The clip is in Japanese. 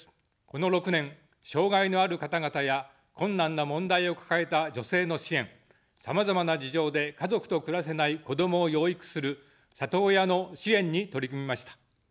この６年、障がいのある方々や困難な問題を抱えた女性の支援、さまざまな事情で家族と暮らせない子どもを養育する里親の支援に取り組みました。